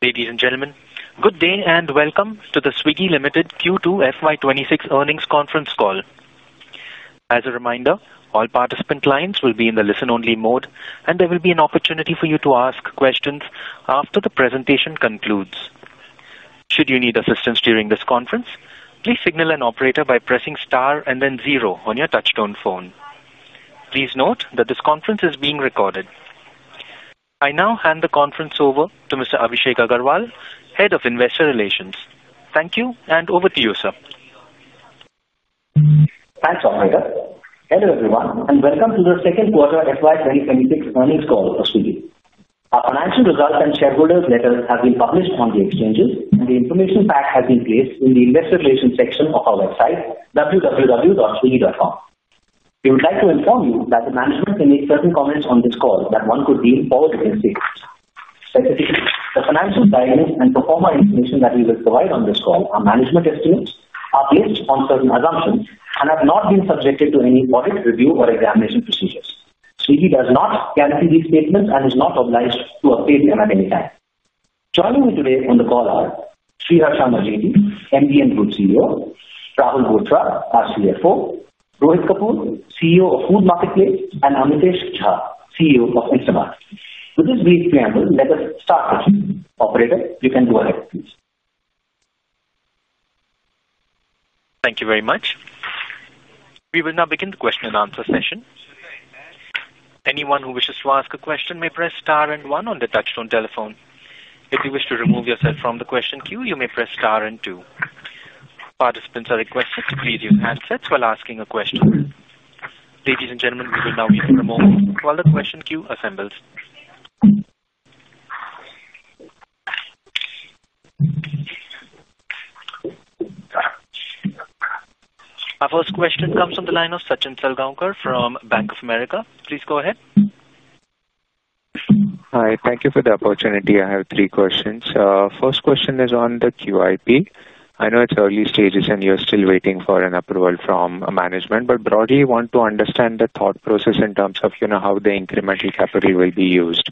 Ladies and gentlemen, good day and welcome to the Swiggy Limited Q2 FY 2026 earnings conference call. As a reminder, all participant lines will be in the listen only mode and there will be an opportunity for you to ask questions after the presentation concludes. Should you need assistance during this conference, please signal an operator by pressing star and then zero on your touchtone phone. Please note that this conference is being recorded. I now hand the conference over to Mr. Abhishek Agarwal, Head of Investor Relations. Thank you. And over to you sir. Thanks. Hello everyone and welcome to the second quarter FY 2026 earnings call of Swiggy. Our financial results and shareholders letter have been published on the exchanges and the information pack has been placed in the investor relations section of our website www.swiggy.com. We would like to inform you that the management may make certain comments on this call that one could deem forward looking statements. Specifically, the financial guidance and pro forma information that we will provide on this call are management estimates, are based on certain assumptions and have not been subjected to any audit, review or examination procedures. Swiggy does not guarantee these statements and is not obliged to update them at any time. Joining me today on the call are Sriharsha Majety, Group CEO, Rahul Bothra, our CFO, Rohit Kapoor, CEO of Food Marketplace, and Amitesh Jha, CEO of Instamart. With this brief preamble, let us start. Operator, you can go ahead please. Thank you very much. We will now begin the question-and-answer session. Anyone who wishes to ask a question may press star and one on the touchtone telephone. If you wish to remove yourself from the question queue, you may press star and two. Participants are requested to please use handsets while asking a question. Ladies and gentlemen, we will now wait a moment while the question queue assembles. Our first question comes from the line of Sachin Salgaonkar from Bank of America. Please go ahead. Hi, thank you for the opportunity. I have three questions. First question is on the QIP. I know it's early stages and you're still waiting for an approval from management but broadly want to understand the thought process in terms of, you know, how the incremental capital will be used.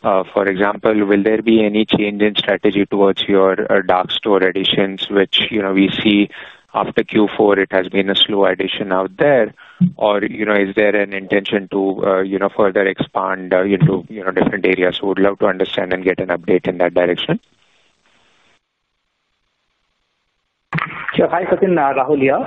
For example, will there be any change in strategy towards your dark store editions which, you know, we see after Q4 it has been a slow addition out there, or, you know, is there an intention to, you know, further expand into different areas? We would love to understand and get an update in that direction. Sure. Hi Sachin, Rahul here.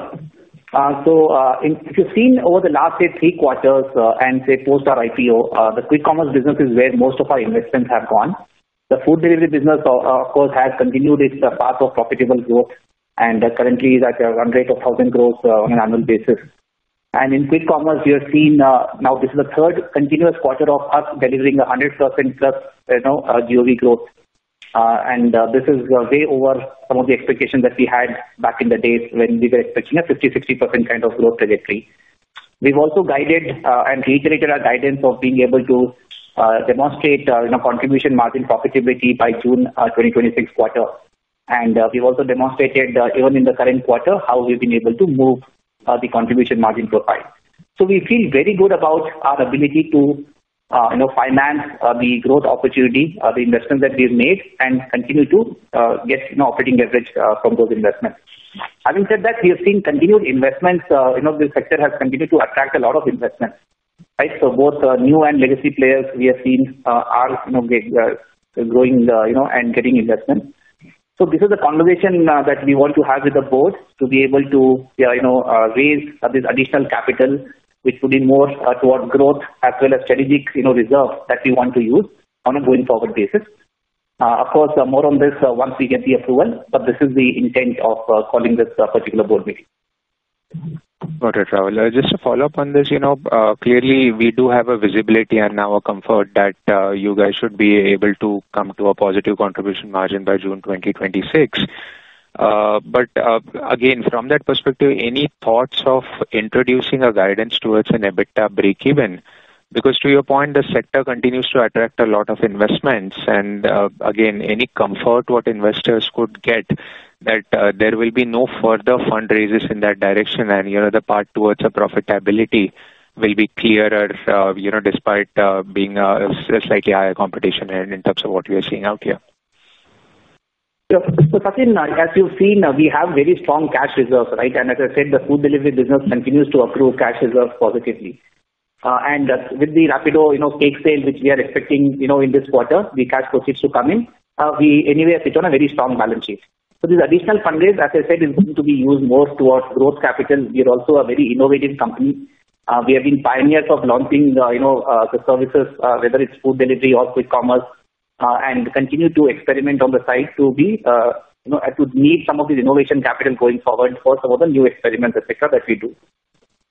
If you've seen over the last three quarters and, say, post our IPO, the quick commerce business is where most of our investments have gone. The food delivery business, of course, has continued its path of profitable growth and currently is at one run rate of 1,000 crore on an annual basis. In quick commerce, you have seen now this is the third continuous quarter of us delivering 100%+ GOV growth, and this is way over some of the expectations that we had back in the days when we were expecting a 50%-60% kind of growth trajectory. We've also guided and reiterated our guidance of being able to demonstrate contribution margin profitability by June 2026 quarter, and we also demonstrated even in the current quarter how we've been able to move the contribution margin profile. We feel very good about our ability to finance the growth opportunity, the investments that we've made, and continue to get operating leverage from those investments. Having said that, we have seen continued investments. This sector has continued to attract a lot of investment. Both new and legacy players, we have seen, are growing and getting investment. This is a conversation that we want to have with the board to be able to raise this additional capital, which would be more towards growth as well as strategic reserve that we want to use on a going forward basis. Of course, more on this once we get the approval, but this is the intent of calling this particular board meeting. Got it, Rahul. Just to follow up on this, clearly we do have a visibility and now a comfort that you guys should be able to come to a positive contribution margin by June 2026. Again, from that perspective, any thoughts of introducing a guidance towards an EBITDA breakeven? Because to your point, the sector continues to attract a lot of investments, and again, any comfort what investors could get that there will be no further fundraisers in that direction and, you know, the path towards a profitability will be clearer. You know, despite being slightly higher competition in terms of what you are seeing out here. As you've seen, we have very strong cash reserves, right? As I said, the food delivery business continues to improve cash reserves positively, and with the Rapido stake sale which we are expecting in this quarter, the cash proceeds to come in, we anyway sit on a very strong balance sheet. This additional fundraise, as I said, is going to be used more towards growth capital. We are also a very innovative company. We have been pioneers of launching the services, whether it's food delivery or quick commerce, and continue to experiment on the side, so we need some of this innovation capital going forward for some of the new experiments that we do.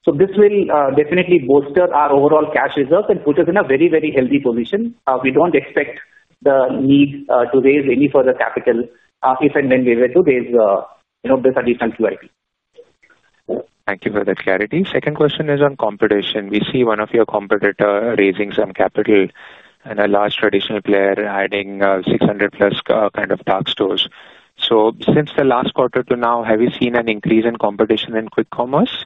This will definitely bolster our overall cash reserve and put us in a very, very healthy position. We don't expect the need to raise any further capital if and when we were to raise additional QIP. Thank you for the clarity. Second question is on competition. We see one of your competitors raising some capital and a large traditional player adding 600+ kind of dark stores. Since the last quarter to now, have you seen an increase in competition in quick commerce?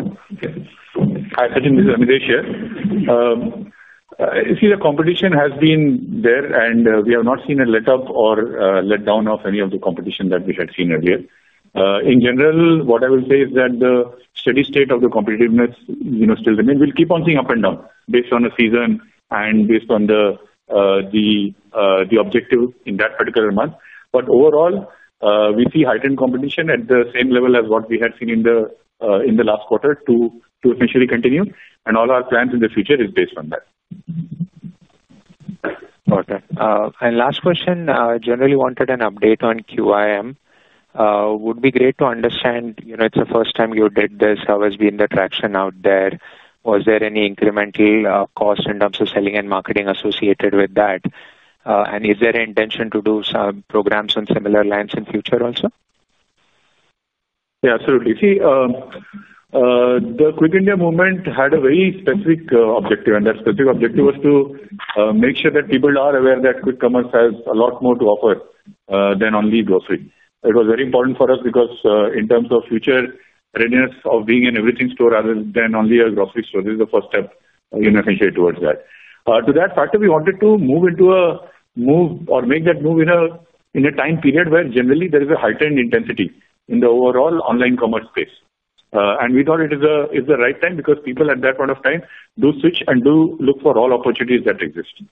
Hi Sachin, this is Amitesh here. The competition has been there, and we have not seen a let up or let down of any of the competition that we had seen earlier. In general, what I will say is that the steady state of the competitiveness still remains. We'll keep on seeing up and down based on the season and based on the objective in that particular month. Overall, we see heightened competition at the same level as what we had seen in the last quarter to essentially continue, and all our plans in the future are based on that. Last question, generally wanted an update on QIM. Would be great to understand, you know, it's the first time you did this. How has been the traction out there? Was there any incremental cost in terms of selling and marketing associated with that? Is there an intention to do some programs on similar lines in future also? Yeah, absolutely. The Quick India Movement had a very specific objective, and that specific objective was to make sure that people are aware that quick commerce has a lot more to offer than only grocery. It was very important for us because in terms of future readiness of being an everything store rather than only a grocery store, this is the first step towards that factor. We wanted to move into a move or make that move in a time period where generally there is a heightened intensity in the overall online commerce space. We thought it is the right time because people at that point of time do switch and do look for all opportunities that exist.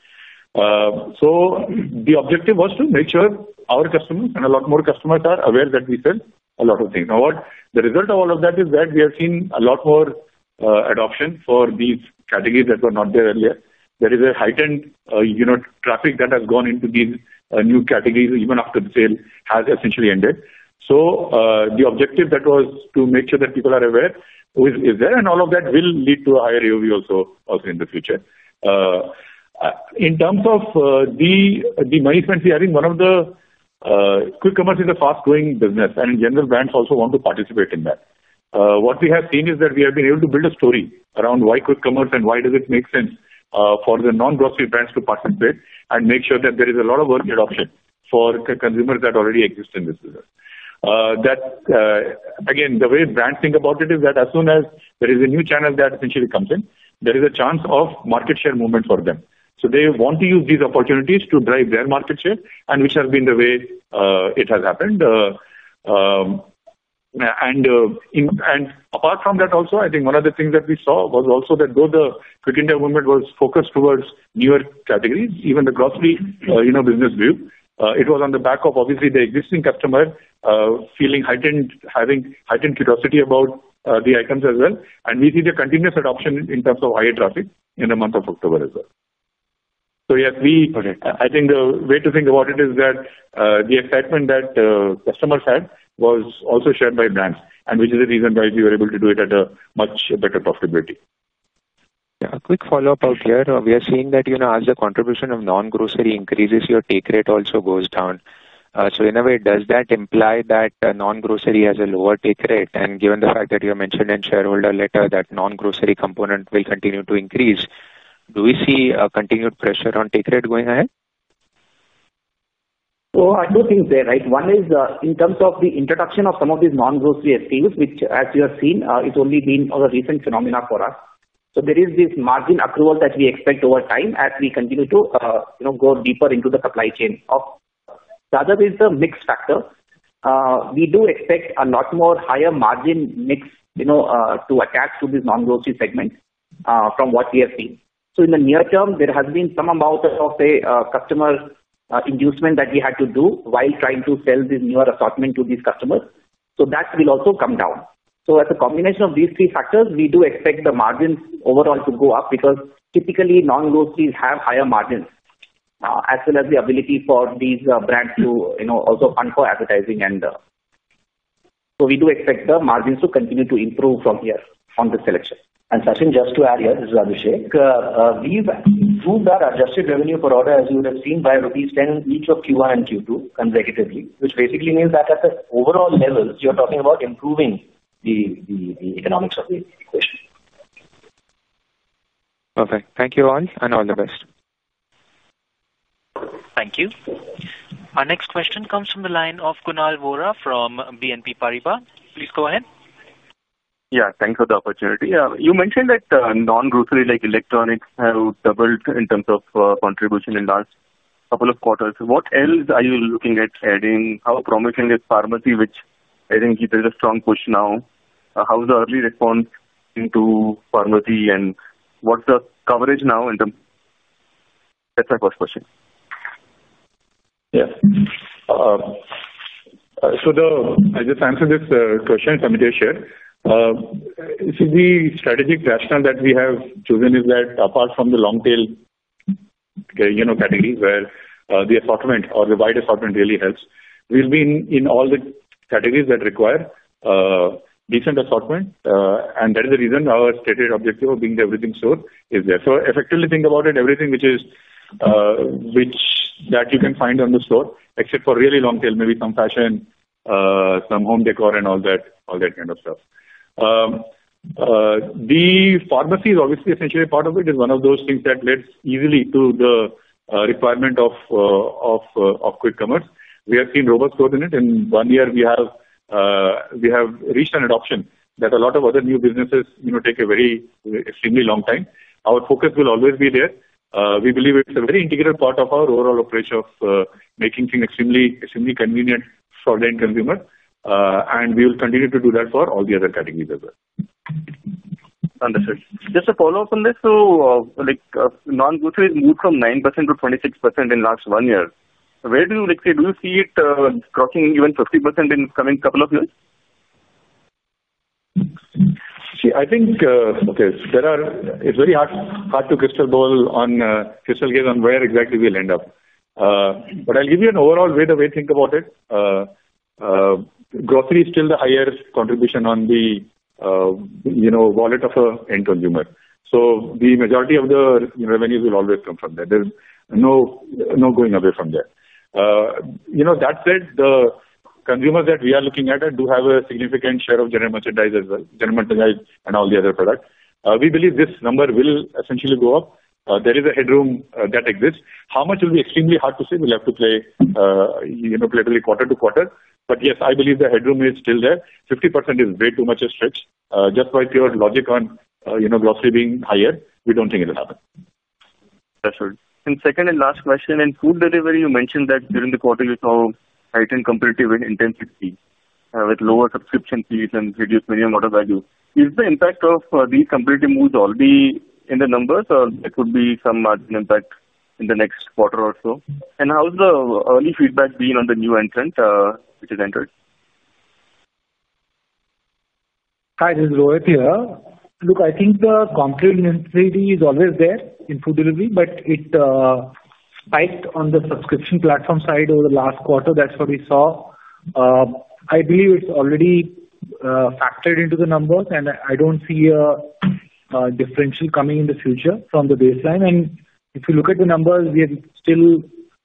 The objective was to make sure our customers and a lot more customers are aware that we sell a lot of things. The result of all of that is that we have seen a lot more adoption for these categories that were not there earlier. There is a heightened traffic that has gone into these new categories even after the sale has essentially ended. The objective that was to make sure that people are aware is there and all of that will lead to higher AOV also in the future. In terms of the money spending, I think one of the quick commerce is a fast growing business and in general brands also want to participate in that. What we have seen is that we have been able to build a story around why quick commerce and why does it make sense for the non-grocery brands to participate and make sure that there is a lot of work adoption for consumers that already exist in this business. The way brands think about it is that as soon as there is a new channel that essentially comes in, there is a chance of market share movement for them. They want to use these opportunities to drive their market share, which has been the way it has happened. Apart from that, I think one of the things that we saw was also that though the Quick India Movement was focused towards newer categories, even the grocery business view, it was on the back of obviously the existing customer feeling having heightened curiosity about the items as well. We see the continuous adoption in terms of IA traffic in the month of October as well. The way to think about it is that the excitement that customers had was also shared by brands, which is the reason why we were able to do it at a much better profitability. A quick follow up out here. We are seeing that as the contribution of non-grocery increases, your take rate also goes down. In a way, does that imply that non-grocery has a lower take rate and given the fact that you have mentioned in the shareholder letter that non-grocery component will continue to increase, do we see a continued pressure on take rate going ahead? Two things there, right? One is in terms of the introduction of some of these non-grocery SKUs which as you have seen it's only been a recent phenomena for us. There is this margin accrual that we expect over time as we continue to go deeper into the supply chain. The other is the mix factor. We do expect a lot more higher margin mix to attach to this non-grocery segment from what we have seen. In the near term, there has been some amount of customer inducement that we had to do while trying to sell this newer assortment to these customers. That will also come down. As a combination of these three factors, we do expect the margins overall to go up because typically non-groceries have higher margins as well as the ability for these brands to also hunt for advertising. We do expect the margins to continue to improve from here on the selection. Sachin, just to add here, this is Abhishek, we've improved our adjusted revenue per order as you would have seen by rupees 10 each of Q1 and Q2 consecutively, which basically means that at the overall level, you're talking about improving the economics of the equation. Perfect. Thank you all and all the best. Thank you. Our next question comes from the line of Kunal Vora from BNP Paribas, please go ahead. Yeah, thanks for the opportunity. You mentioned that non-grocery like electronics have doubled in terms of contribution in the last couple of quarters. What else are you looking at adding? How promising is pharmacy? Which I think there's a strong push now. How's the early response into pharmacy and what's the coverage now? That's my first question. Yeah, I just answered this question. [Samiteshir], the strategic rationale that we have chosen is that apart from the long tail, you know, category where the assortment or the wide assortment really helps, we'll be in all the categories that require decent assortment. That is the reason our stated objective of being the everything store is there. Effectively, think about it. Everything that you can find on the floor, except for really long tail, maybe some fashion, some home decor and all that kind of stuff, the pharmacy is obviously essentially a part of. It is one of those things that leads easily to the requirement of quick commerce. We have seen robust growth in it. In one year, we have reached an adoption that a lot of other new businesses take a very extremely long time. Our focus will always be there. We believe it's a very integral part of our overall approach of making things extremely convenient for the end consumer. We will continue to do that for all the other categories as well. Understood. Just a follow up on this. Non-grocery has moved from 9% to 26% in the last one year. Do you see it crossing even 50% in the coming couple of years? I think it's very hard to crystal gaze on where exactly we land, but I'll give you an overall way to think about it. Grocery is still the highest contribution on the wallet of an end consumer, so the majority of the revenue will always come from there. No going away from there. That said, the consumers that we are looking at do have a significant share of general merchandise as well and all the other products. We believe this number will essentially go up. There is a headroom that exists. How much will be extremely hard to say. We'll have to play quarter to quarter. Yes, I believe the headroom is still there. 50% is way too much a stretch. Just by pure logic on grocery being higher, we don't think it will happen. That's right. Second and last question. In food delivery, you mentioned that during the quarter you saw heightened competitive intensity with lower subscription fees and reduced minimum order value. Is the impact of these competitive moves already in the numbers or could there be some margin impact in the next quarter or so? How's the early feedback been on the new entrant which has entered? Hi, this is Rohit here. I think the competition is always there in food delivery, but it spiked on the subscription platform side over the last quarter. That's what we saw. I believe it's already factored into the numbers, and I don't see a differential coming in the future from the baseline. If you look at the numbers, we have still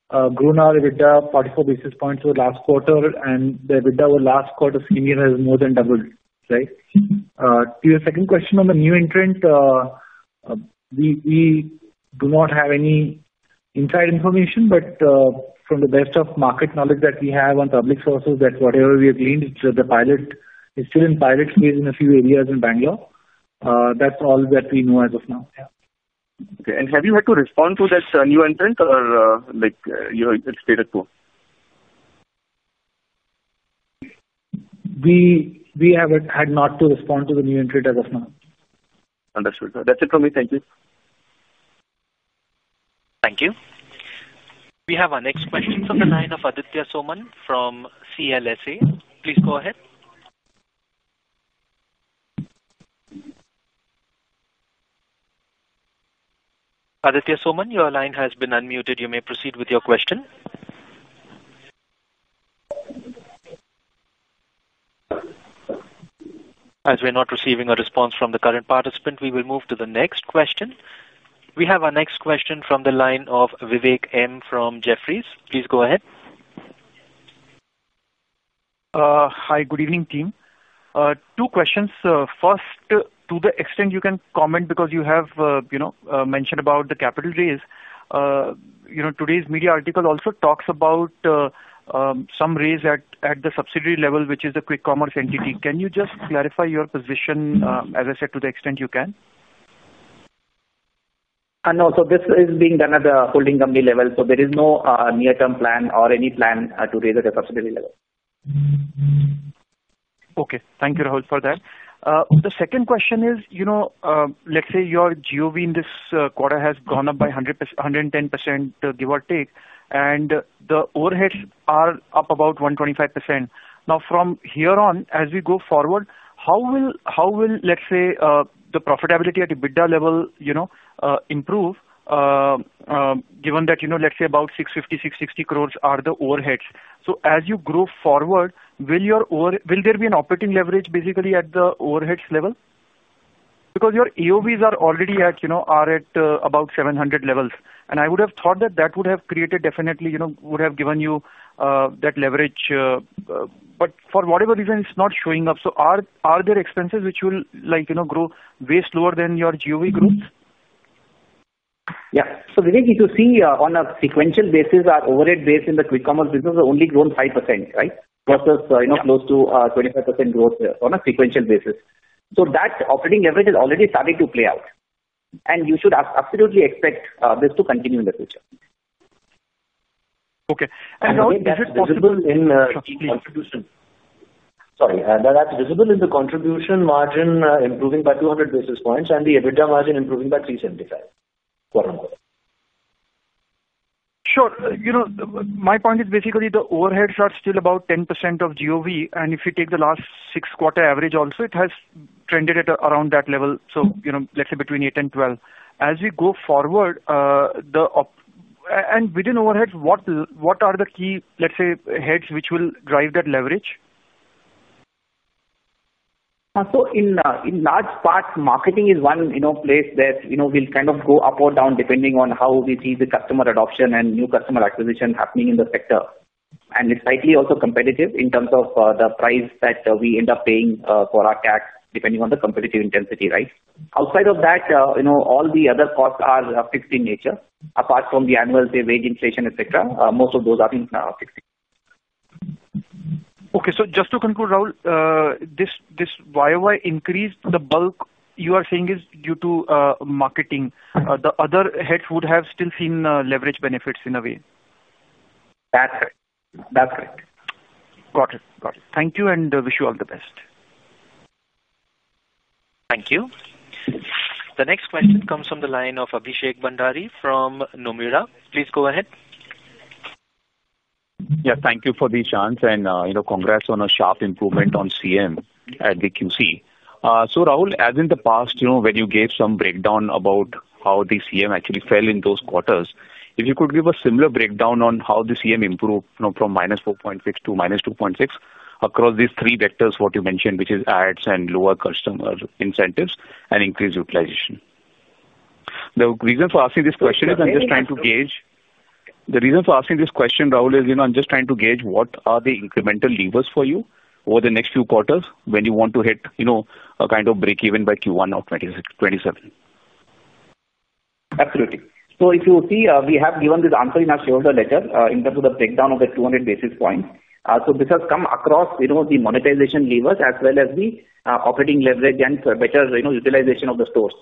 grown our EBITDA 44 basis points over last quarter, and the EBITDA last quarter has more than doubled. To your second question on the new entrant, we do not have any inside information, but from the best of market knowledge that we have on public sources, whatever we have gained, the pilot space is in a few areas in Bangalore. That's all that we know as of now. Okay. Have you had to respond to that new entrant or, like you stated, We have not had to respond to the new entrant as of now. Understood. That's it from me. Thank you. Thank you. We have our next question from the line of Aditya Soman from CLSA. Please go ahead. Aditya Soman, your line has been unmuted. You may proceed with your question. As we're not receiving a response from the current participant, we will move to the next question. We have our next question from the line of Vivek M from Jefferies. Please go ahead. Hi, good evening team. Two questions. First, to the extent you can comment because you have mentioned about the capital raise. Today's media article also talks about some raise at the subsidiary level which is a quick commerce entity. Can you just clarify your position? As I said to the extent you can. This is being done at the holding company level. There is no near term plan or any plan to raise at the subsidiary level. Thank you Rahul for that. The second question is, let's say your GOV in this quarter has gone up by 110% give or take, and the overheads are up about 125%. From here on as we go forward, how will the profitability at EBITDA level improve given that about 650 crore, 660 crores are the overheads? As you grow forward, will there be an operating leverage basically at the overheads level? Your AOVs are already at about 700 levels and I would have thought that would have given you that leverage but for whatever reason it's not showing up. Are there expenses which will grow way slower than your GOV growth? Yeah. Vivek, if you see on a sequential basis our overhead base in the quick commerce business has only grown 5% versus close to 25% growth on a sequential basis. That operating leverage is already starting to play out and you should absolutely expect this to continue in the future. Is it possible in contribution? Sorry, that's visible in the contribution margin improving by 200 basis points and the EBITDA margin improving by 375. My point is basically the overheads are still about 10% of GOV and if you take the last six quarter average also it has trended at around that level. Let's say between 8% and 12% as we go forward. Within overheads, what are the key heads which will drive that leverage? In large part, marketing is one place that will go up or down depending on how we see the customer adoption and new customer acquisition happening in the sector. It's slightly also competitive in terms of the price that we end up paying for our tax depending on the competitive intensity. Right. Outside of that, all the other costs are fixed in nature apart from the annual wage inflation, etc. Most of those are fixed in nature. Okay, just to conclude Rahul, this year-over-year increase, the bulk you are saying is due to marketing, the other heads would have still seen leverage benefits in a way That's correct. Got it. Thank you and wish you all the best. Thank you. The next question comes from the line of Abhishek Bhandari from Nomura. Please go ahead. Yeah, thank you for the chance and you know, congrats on a sharp improvement on CM at the QC. Rahul, as in the past, when you gave some breakdown about how the CM actually fell in those quarters, if you could give a similar breakdown on how the CM improved from -4.6% to -2.6% across these three vectors, what you mentioned, which is ADS and lower customer incentives and increased utilization. The reason for asking this question is, I'm just trying to gauge. The reason for asking this question Rahul is, I'm just trying to gauge what are the incremental levers for you over the next few quarters when you want to hit, you know, a kind of break even by Q1 of 2027? Absolutely. If you see, we have given this answer in our shareholder letter in terms of the breakdown of the 200 basis points. This has come across the monetization levers as well as the operating leverage and better utilization of the stores.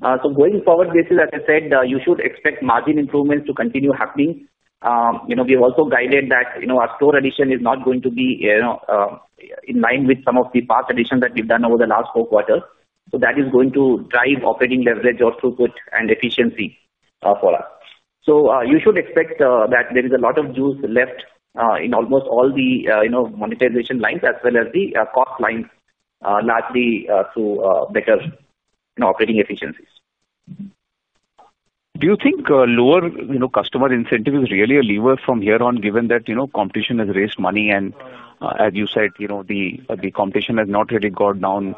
Going forward, basically as I said, you should expect margin improvements to continue happening. We have also guided that our store addition is not going to be in line with some of the past additions that we've done over the last four quarters. That is going to drive operating leverage or throughput and efficiency for us. You should expect that there is a lot of juice left in almost all the monetization lines as well as the cost lines, largely through better operating efficiencies. Do you think lower customer incentive is really a lever from here on given that competition has raised money and as you said, the competition has not really gone down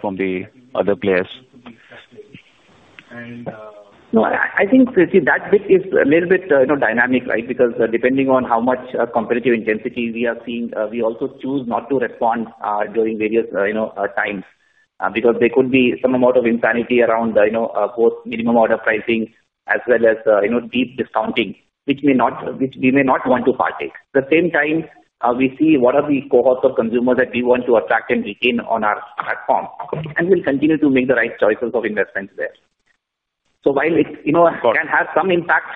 from the other players? I think that bit is a little bit dynamic because depending on how much competitive intensity we are seeing, we also choose not to respond during various times because there could be some amount of insanity around both minimum order pricing as well as deep discounting which we may not want to partake. At the same time, we see what are the cohorts of consumers that we want to attract and retain on our platform and we'll continue to make the right choices of investments there. While it can have some impact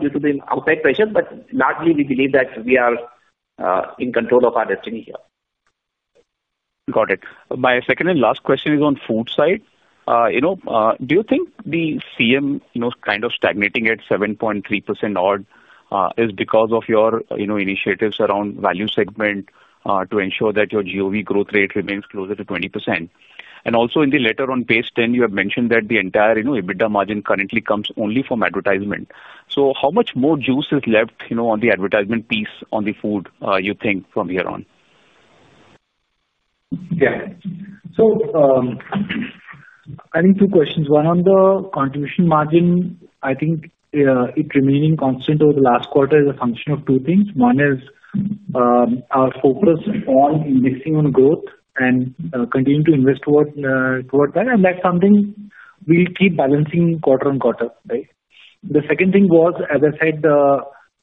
due to the outside pressures, largely we believe that we are in control of our destiny here. Got it. My second and last question is on the food side. Do you think the contribution margin kind of stagnating at 7.3% odd is because of your initiatives around the value segment to ensure that your GOV growth rate remains closer to 20%? Also, in the letter on page 10, you have mentioned that the entire EBITDA margin currently comes only from advertisement. How much more juice is left on the advertisement piece on the food you think from here on? Yeah, I think two questions. One on the contribution margin, I think it remaining constant over the last quarter is a function of two things. One is our focus on indexing on growth and continuing to invest toward that and that's something we'll keep balancing quarter on quarter. The second thing was, as I said,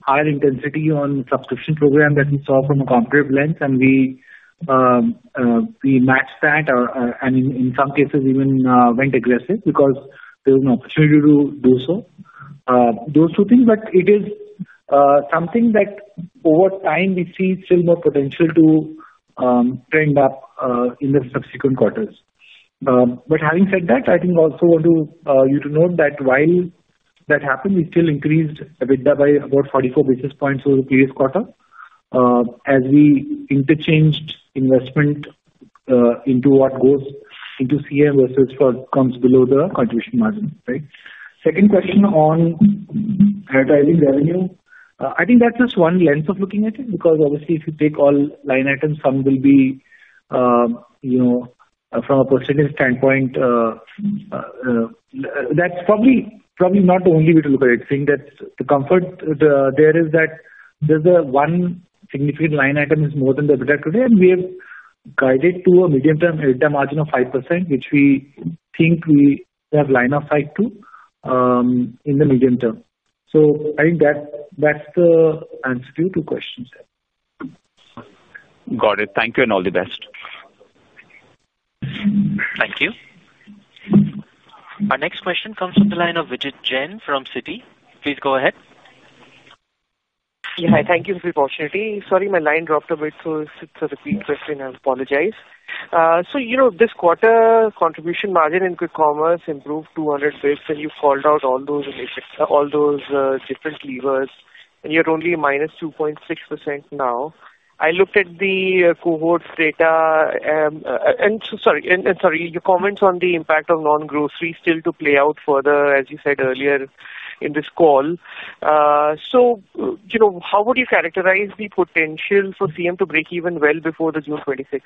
higher intensity on the subscription program that we saw from a competitive lens and we matched that and in some cases even went aggressive because there was an opportunity to do so, those two things. It is something that over time we see still more potential to trend up in the subsequent quarters. Having said that, I also want you to note that while that happened, we still increased EBITDA by about 44 basis points over the previous quarter as we interchanged investment into what goes into contribution margin versus what comes below the contribution margin. Second question on advertising revenue, I think that's just one lens of looking at it because obviously if you take all line items, some will be from a percentage standpoint. That's probably not the only way to look at it, seeing that the comfort there is that there's one significant line item that is more than the EBITDA today and we have guided to a medium-term EBITDA margin of 5% which we think we have line of sight to in the medium term. I think that's the answer to questions. Got it. Thank you and all the best. Thank you. Our next question comes from the line of Vijit Jain from Citi. Please go ahead. Thank you for the opportunity. Sorry, my line dropped a bit, so it's a repeat question. I apologize. This quarter, contribution margin in quick commerce improved 200 basis points and you called out all those different levers and you're only -2.46% now. I looked at the cohorts data. Your comments on the impact of non-grocery still to play out further as you said earlier in this call. How would you characterize the potential for contribution margin to break even well before the June 2026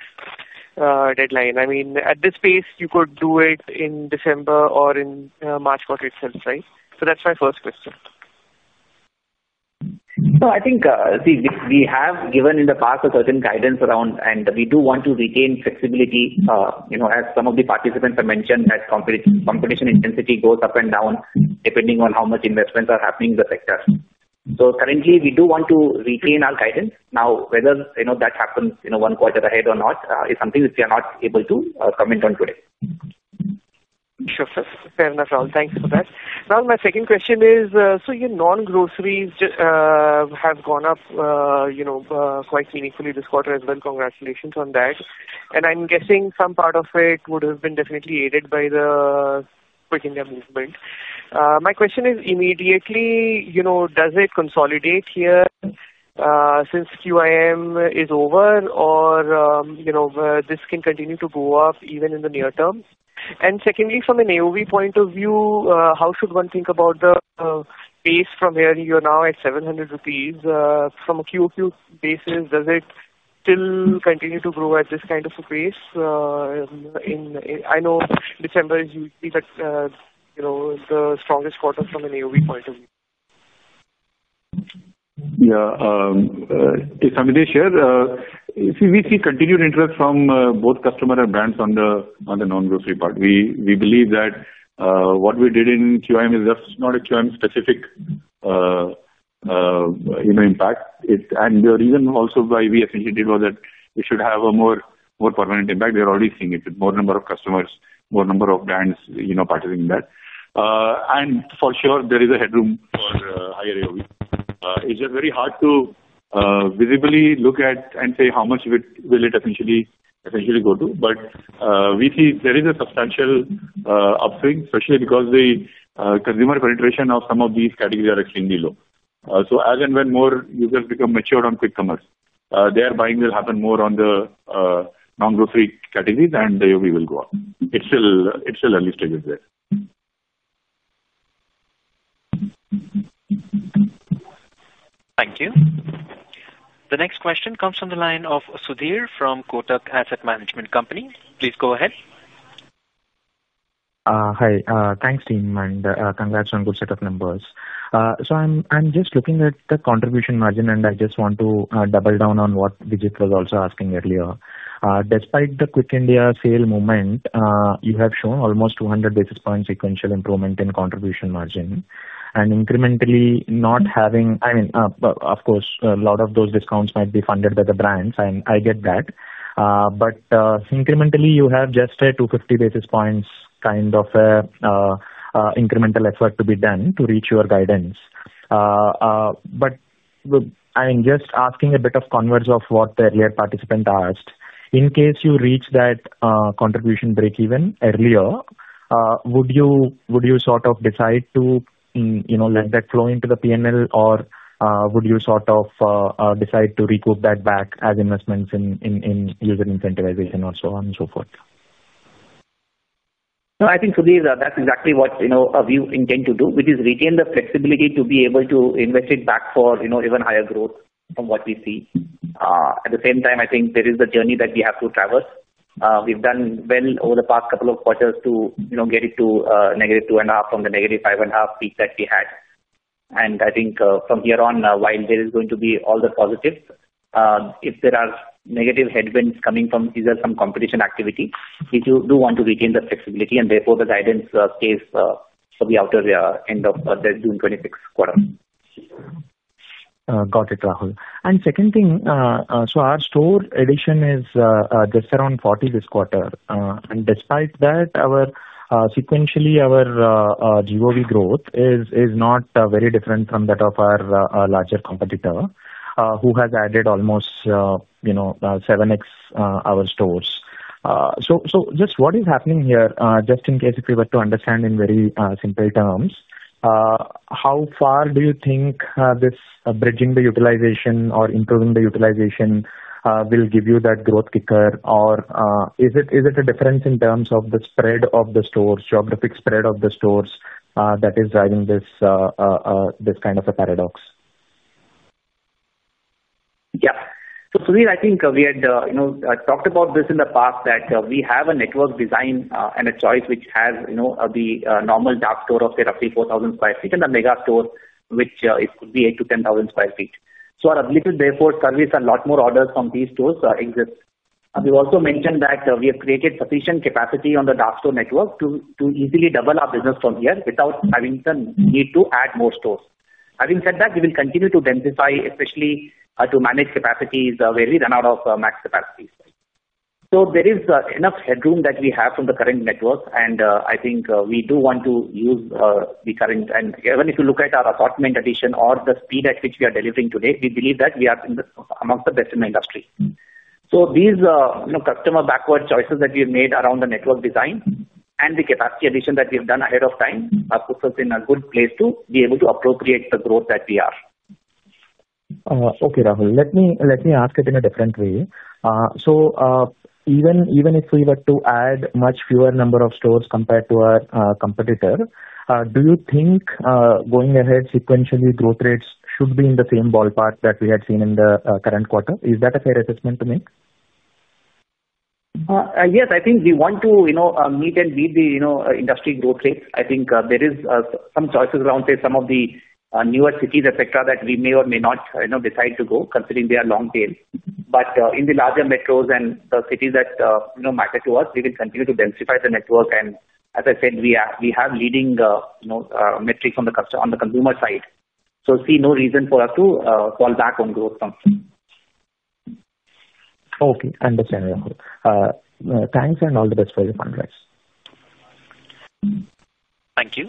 deadline? At this pace, you could do it in December or in the March quarter itself. That's my first question. I think we have given in the past a certain guidance around and we do want to regain flexibility. As some of the participants have mentioned, competition intensity goes up and down depending on how much investments are happening in the sector. Currently, we do want to retain our guidance. Whether that happens one quarter ahead or not is something that we are not able to comment on today. Sure, fair enough. Rahul, thanks for that. My second question is your non-groceries have gone up quite meaningfully this quarter as well. Congratulations on that. I'm guessing some part of it would have been definitely aided by the Quick India Movement. My question is, does it consolidate here since QIM is over or can this continue to go up even in the near term? Secondly, from an AOV point of view, how should one think about the pace from here? You're now at 700 rupees from a quarter-on-quarter basis. Does it still continue to grow at this kind of a pace? I know December is usually the strongest quarter from an AOV point of view. We see continued interest from both customers and brands on the non-grocery part. We believe that what we did in QIM is not a QIM-specific impact and the reason also why we essentially did was that we should have a more permanent impact. We are already seeing it with more number of customers, more number of brands partnering in that and for sure there is a headroom for higher AOV. It's very hard to visibly look at and say how much will it essentially. We see there is a substantial upswing, especially because the consumer penetration of some of these categories are extremely low. As and when more users become matured on quick commerce, their buying will happen more on the non-grocery categories and the UV will go up. It is still early stages there. Thank you. The next question comes from the line of Sudheer from Kotak Asset Management Company. Please go ahead. Hi. Thanks team and congrats on good set of numbers. I am just looking at the contribution margin and I just want to double down on what Vijit was also asking earlier. Despite the Quick India Movement sale, you have shown almost 200 basis point sequential improvement in contribution margin and incrementally not having. I mean of course a lot of those discounts might be funded by the brands and I get that, but incrementally you have just a 250 basis points kind of incremental effort to be done to reach your guidance. I mean just asking a bit of converse of what the participant asked, in case you reach that contribution breakeven earlier, would you sort of decide to let that flow into the P&L or would you sort of decide to recoup that back as investments in user incentivization or so on and so forth. No, I think Sudheer, that's exactly what we intend to do, which is retain the flexibility to be able to invest it back for even higher growth from what we see. At the same time, I think there is a journey that we have to traverse. We've done well over the past couple of quarters to get it to negative 2.5 from the negative 5.5 peak that we had. I think from here on, while there is going to be all the positives, if there are negative headwinds coming from, these are some competition activity. We do want to retain the flexibility and therefore the guidance stays for the outer end of the June 2026 quarter. Got it Rahul. Second thing, our store addition is this around 40 this quarter and despite that, sequentially our GOV growth is not very different from that of our larger competitor who has added almost, you know, 7x our stores. What is happening here? In case if we were to understand in very simple terms, how far do you think this bridging the utilization or improving the utilization will give you that growth kicker or is it a difference in terms of the spread of the stores, geographic spread of the stores that is driving this kind of a paradox? Yeah. Sudheer, I think we had talked about this in the past that we have a network design and a choice which has the normal dark store of say roughly 4,500 sq ft and a Megastore which could be 8,000 sq ft-10,000 sq ft. Our ability to therefore service a lot more orders from these stores exists. We also mentioned that we have created sufficient capacity on the dark store network to easily double our business from here without having the need to add more stores. Having said that, we will continue to densify, especially to manage capacities where we run out of max capacity. There is enough headroom that we have from the current network and I think we do want to use the current. Even if you look at our assortment addition or the speed at which we are delivering today, we believe that we are amongst the best in the industry. These customer backward choices that we have made around the network design and the capacity addition that we have done ahead of time put us in a good place to be able to appropriate the growth that we are. Rahul, let me ask it in a different way. Even if we were to add much fewer number of stores compared to our company competitor, do you think going ahead sequentially growth rates should be in the same ballpark that we had seen in the current quarter? Is that a fair assessment to make? Yes, I think we want to meet and beat the industry growth rates. I think there are some choices around some of the newer cities, etc., that we may or may not decide to go considering they are long tail. In the larger metros and the cities that matter to us, we will continue to densify and as I said, we have leading metrics on the consumer side so see no reason for us to fall back on growth from. Okay, understand Rahul, thanks and all the best for your fundraise. Thank you.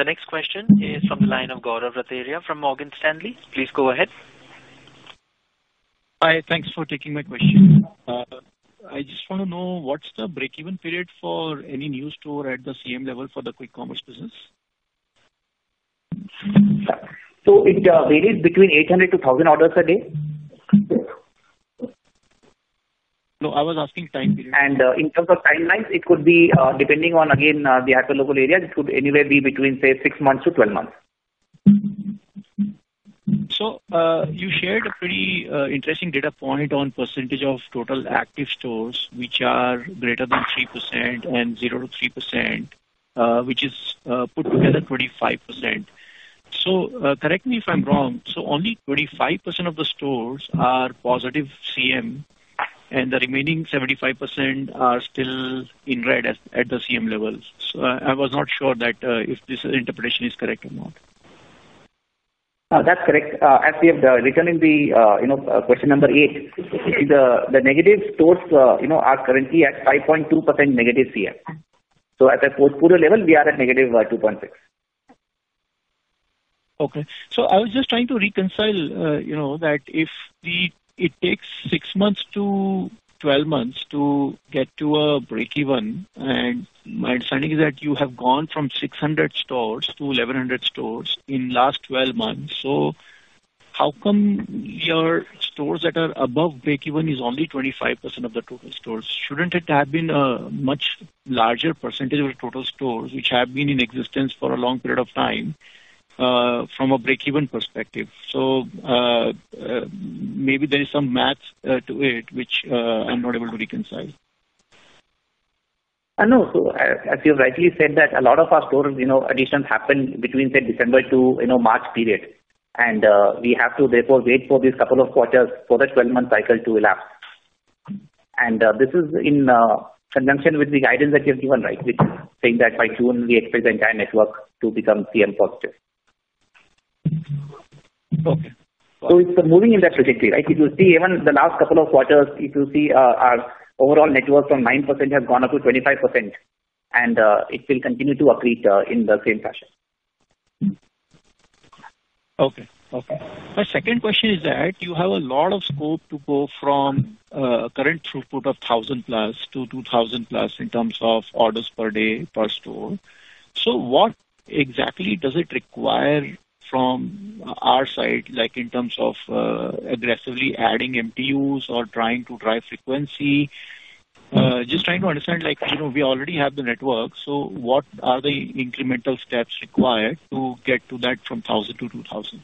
The next question is from the line of Gaurav Rateria from Morgan Stanley. Please go ahead. Hi, thanks for taking my question. I just want to know what's the breakeven period for any new store at the same level for the quick commerce business? It varies between 800-1,000 orders a day. No, I was asking time period. In terms of timelines, it could be depending on again the hyperlocal area, it could anywhere be between say six months to 12 months. You shared a pretty interesting data point on percentage of total active stores which are greater than 3% and 0%-3% which is put together 25%. Correct me if I'm wrong. Only 25% of the stores are positive CM and the remaining 75% are still in red at the CM level. I was not sure if this interpretation is correct or not. That's correct. As we have written in question number eight, the negative stores are currently at 5.2% negative CM. At the portfolio level, we are at -2.6%. I was just trying to reconcile if it takes six months to 12 months to get to a break even. My understanding is that you have gone from 600 stores-1,100 stores in the last 12 months. How come your stores that are above breakeven is only 25% of the total stores? Shouldn't it have been a much larger percentage of total stores which have been in existence for a long period of time from a breakeven perspective? Maybe there is some math to it which I'm not able to reconcile. As you rightly said, a lot of our store additions happened between, say, December to March period. We have to therefore wait for these couple of quarters for the 12-month cycle to elapse. This is in conjunction with the guidance that you have given, right, which is that by June we expect the entire network to become CM positive. It's moving in that trajectory. If you see even the last couple of quarters, our overall network from 9% has gone up to 25% and it will continue to accrete in the same fashion. My second question is that you have a lot of scope to go from current throughput of 1,000+ to 2,000+ in terms of orders per day per store. What exactly does it require from our side, like in terms of aggressively adding MTUs or trying to drive frequency? Just trying to understand, we already have the network, so what are the incremental steps required to get to that from 1,000 to 2,000?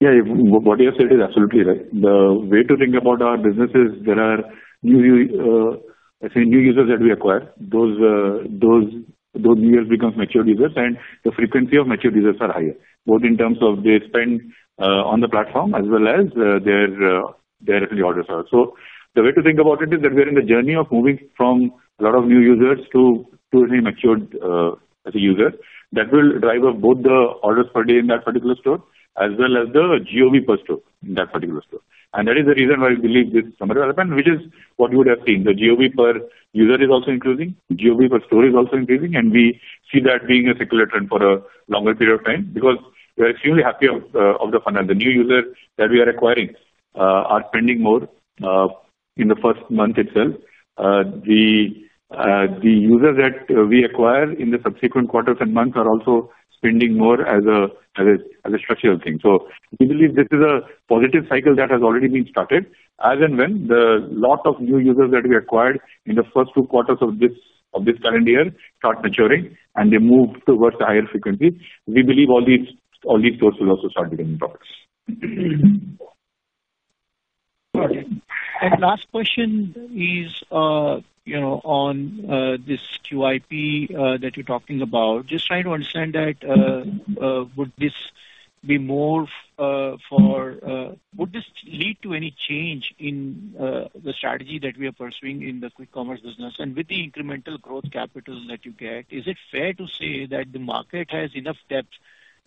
What you have said is absolutely right. The way to think about our business is, there are new users that we acquire. Those users become mature users, and the frequency of mature users is higher, both in terms of what they spend on the platform as well as their orders. The way to think about it is that we're in the journey of moving from a lot of new users to matured as a user that will drive up both the orders per day in that particular store as well as the GOV per store in that particular store. That is the reason why we believe this development, which is what you would have seen, the GOV per user is also increasing. GOV per store is also increasing. We see that being a circular trend for a longer period of time because we are extremely happy with the fund and the new users that we are acquiring are spending more in the first month itself. The users that we acquire in the subsequent quarters and months are also spending more as a structural thing. We believe this is a positive cycle that has already been started. As and when the lot of new users that we acquired in the first two quarters of this current year start maturing and they move towards the higher frequency, we believe all these stores will also start becoming profits. Last question is, you know, on this QIP that you're talking about, just trying to understand would this lead to any change in the strategy that we are pursuing in the quick commerce business and with the incremental growth capital that you get, is it fair to say that the market has enough depth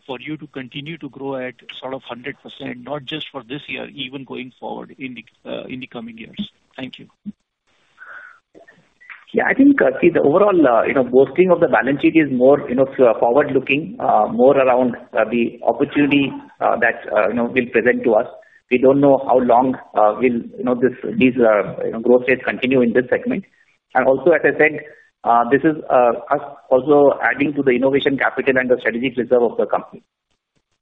for you to continue to grow at sort of 100%, not just for this year, even going forward in the coming years. Thank you. Yeah, I think the overall boosting of the balance sheet is more forward looking, more around the opportunity that will present to us. We don't know how long will these growth rates continue in this segment. Also, as I said, this is also adding to the innovation capital and the strategic reserve of the company.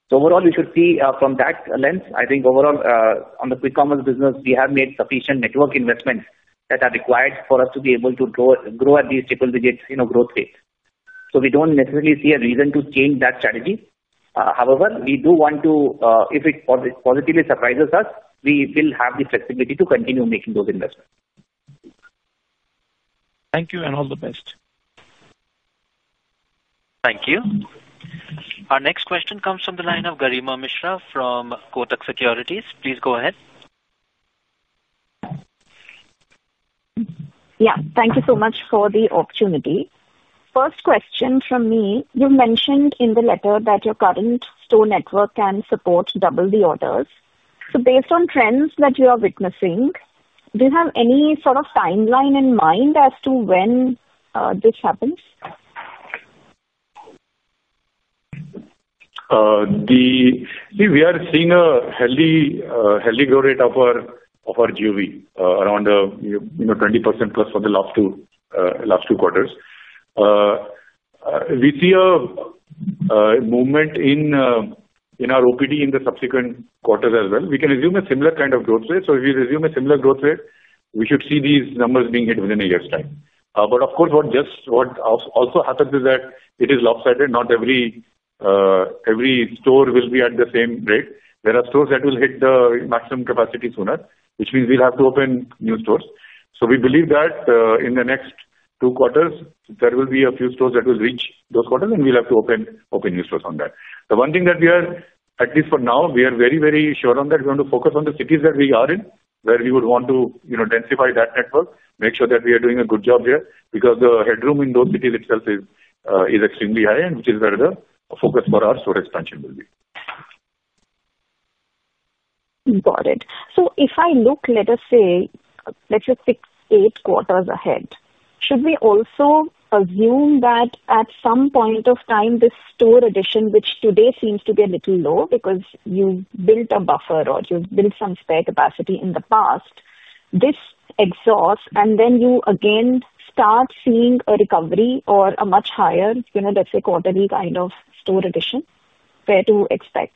Overall you should see from that lens, I think overall on the quick commerce business, we have made sufficient network investments that are required for us to be able to grow at these triple digit growth rates. We don't necessarily see a reason to change that strategy. However, if it positively surprises us, we will have the flexibility to continue making those investments. Thank you and all the best. Thank you. Our next question comes from the line of Garima Mishra from Kotak Securities. Please go ahead. Yeah, thank you so much for the opportunity. First question from me, you mentioned in the letter that your current store network can support double the orders. Based on trends that you are witnessing, do you have any sort of timeline in mind as to when this happens? We are seeing a healthy rate of our GOV around 20%+ for the last two quarters. We see a movement in our OPD in the subsequent quarters as well. We can assume a similar kind of growth rate. If you assume a similar growth rate, we should see these numbers being hit within a year's time. Of course, what also happens is that it is lopsided. Not every store will be at the same rate. There are stores that will hit the maximum capacity sooner, which means we'll have to open new stores. We believe that in the next two quarters there will be a few stores that will reach those quarters and we'll have to open new stores on that. The one thing that we are at least for now very, very sure on is that we want to focus on the cities that we are in where we would want to densify that network. Make sure that we are doing a good job there because the headroom in those cities itself is extremely high, which is where the focus for our store expansion will be. Got it. If I look, let us say, let's just pick eight quarters ahead. Should we also assume that at some point of time this store addition, which today seems to be a little low because you built a buffer or you've built some spare capacity in the past, this exhausts and then you again start seeing a recovery or a much higher, you know, let's say quarterly kind of store addition, where to expect.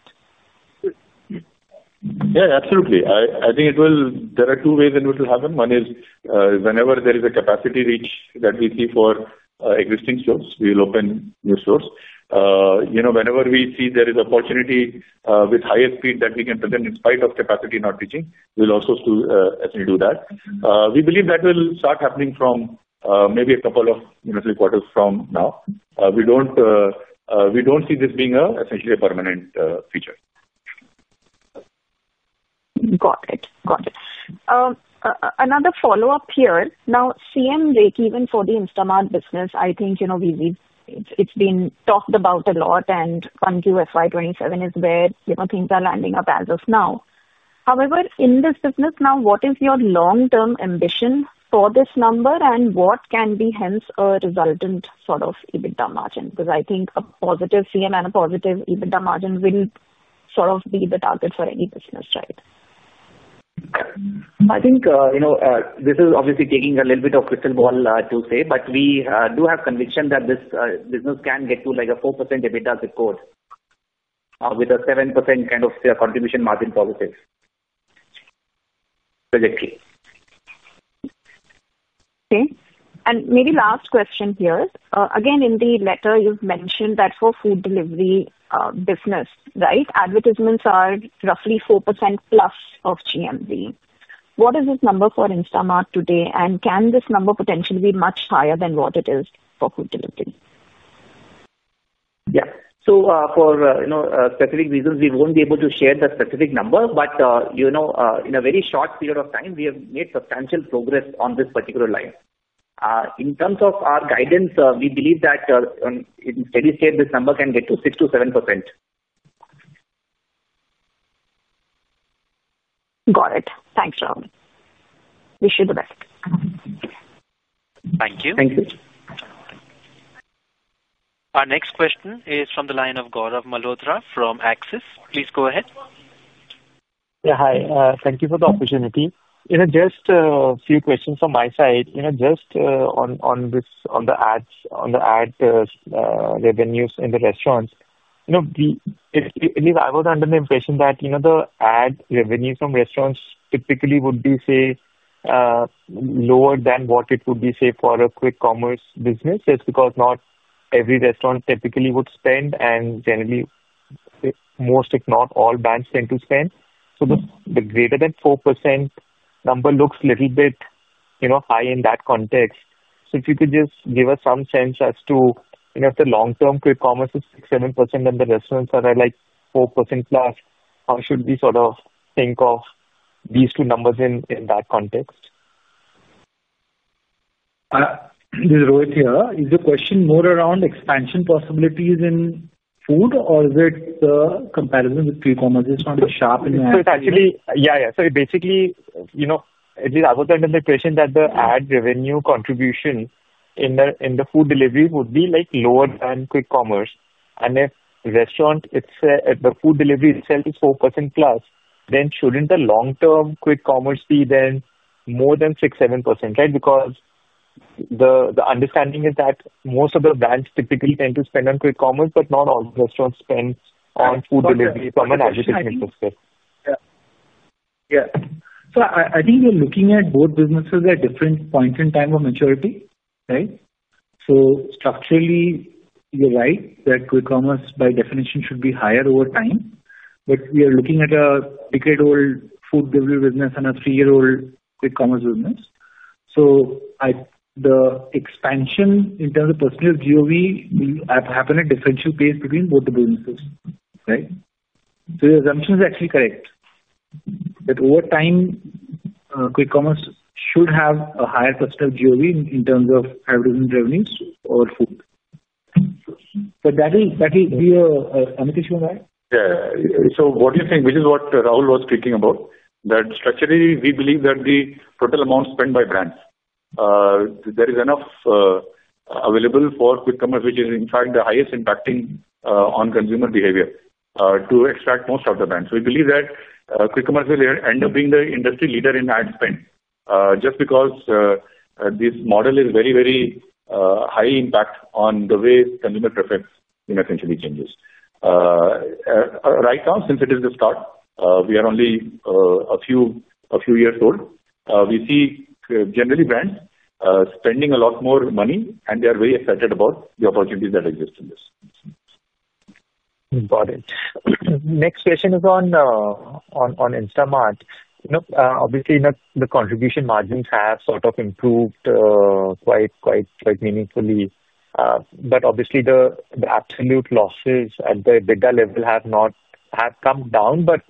Yeah, absolutely. I think it will. There are two ways in which it will happen. One is whenever there is a capacity reach that we see for existing stores, we will open new stores. Whenever we see there is opportunity with higher speed that we can present in spite of capacity not reaching, we'll also do that. We believe that will start happening from maybe a couple or three quarters from now. We don't see this being essentially a permanent feature. Got it, got it. Another follow up here. Now, contribution margin break even for the Instamart business. I think it's been talked about a lot and 1Q FY 2027 is where things are landing up as of now. However, in this business, what is your long term ambition for this number and what can be hence a resultant sort of EBITDA margin? Because I think a positive contribution margin and a positive EBITDA margin will sort of be the target for any business, right? I think you know, this is obviously taking a little bit of crystal ball to say, but we do have conviction that this business can get to like a 4% EBITDA record with a 7% kind of contribution margin. Positive. Okay. Maybe last question here again. In the letter you've mentioned that for food delivery business, advertisements are roughly 4%+ of GMV. What is this number for Instamart today and can this number potentially be much higher than what it is? Yeah. For specific reasons we won't be able to share the specific number. In a very short period of time we have made substantial progress on this particular line in terms of our guidance. We believe that in steady state this number can get to 6%-7%. Got it. Thanks Rahul. Wish you the best. Thank you. Our next question is from the line of Gaurav Malhotra from Axis. Please go ahead. Yeah, hi. Thank you for the opportunity. Just a few questions on my side. Just on this, on the ads, on the ad revenues in the restaurants. I was under the impression that the ad revenues from restaurants typically would be lower than what it would be for a quick commerce business. It's because not every restaurant typically would spend and generally most if not all brands tend to spend. The greater than 4% number looks a little bit high in that context. If you could just give us some sense as to, if the long term quick commerce is 6%-7% and the restaurant are like 4%+, how should we sort of think of these two numbers in that context? This is Rohit here. Is the question more around expansion possibilities in food or is it the comparison with quick commerce? It's not a sharp. It's actually. Yeah, yeah. Basically, it is other than the question that the ad revenue contribution in the food delivery would be lower than quick commerce. If restaurant, the food delivery itself is 4%+ then shouldn't the long term quick commerce be then more than 6%-7%? Right. The understanding is that most of the brands typically tend to spend on quick commerce but not all restaurants spend on food delivery from an activation perspective. Yeah. I think we're looking at both businesses at different points in time of maturity. Structurally you're right that quick commerce by definition should be higher over time. We are looking at a decade old food delivery business and a three year old quick commerce business. The expansion in terms of percentage of GOV will happen at differential pace between both the businesses. Your assumption is actually correct that over time quick commerce should have a higher percentage of GOV in terms of advertising revenues or food. That will be AI. What do you think, which is what Rahul was speaking about, that structurally we believe that the total amount spent by brands, there is enough available for QuickCommerce, which is in fact the highest impacting on consumer behavior to extract most of the brands. We believe that QuickCommerce will end up being the industry leader in ad spend just because this model is very, very high impact on the way consumer preference essentially changes. Right now, since it is the start, we are only a few years old. We see generally brands spending a lot more money, and they are very excited about the opportunities that exist in this. Got it. Next question is on Instamart. Obviously, the contribution margins have sort of improved quite meaningfully, but obviously the absolute losses at the EBITDA level have come down, but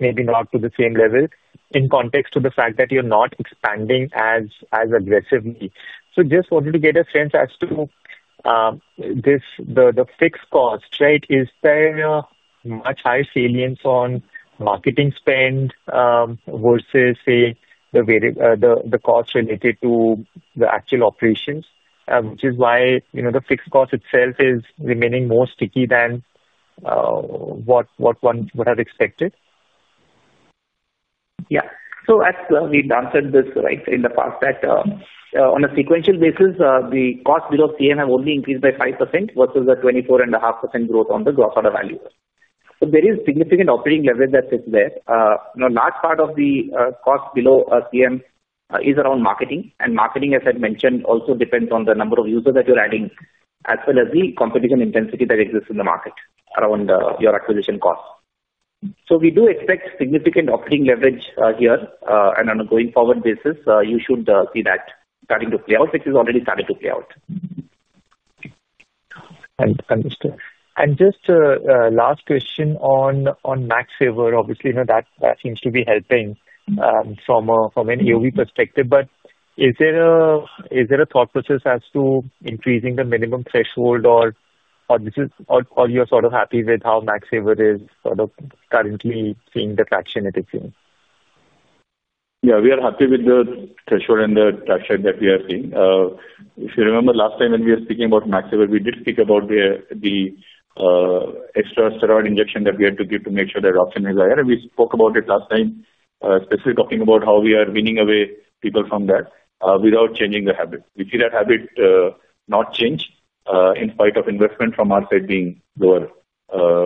maybe not to the same level in context of the fact that you're not expanding as aggressively. I just wanted to get a sense as to this. The fixed cost, right, is there much higher salience on marketing spend versus, say, the cost related to the actual operations, which is why the fixed cost itself is remaining more sticky than what one would have expected. Yeah. As we answered this in the past, on a sequential basis, the cost below CM have only increased by 5% versus the 24.5% growth on the gross order value. There is significant operating leverage that sits there. A large part of the cost below a CM is around marketing, and marketing, as I mentioned, also depends on the number of users that you're adding as well as the competition intensity that exists in the market around your acquisition costs. We do expect significant operating leverage here, and on a going forward basis, you should see that starting to play out, which has already started to play out. Just last question on Max Saver. Obviously, you know that seems to be helping from an AOV perspective, but is there a thought process as to increasing the minimum threshold, or you are sort of happy with how Max Saver is currently seeing the traction it is seeing? Yeah, we are happy with the threshold and the touch rate that we are seeing. If you remember last time when we were speaking about Max Saver, we did speak about the extra steroid injection that we had to give to make sure that option is higher, and we spoke about it last time, especially talking about how we are weaning away people from that without changing the habit. We see that habit not change in spite of investment from our side being lower,